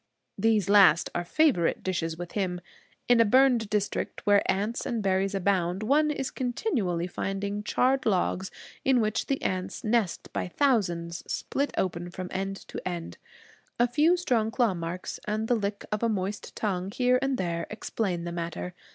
These last are favorite dishes with him. In a burned district, where ants and berries abound, one is continually finding charred logs, in which the ants nest by thousands, split open from end to end. A few strong claw marks, and the lick of a moist tongue here and there, explain the matter.